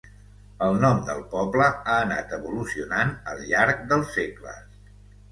El nom del poble ha anat evolucionant al llarg dels segles.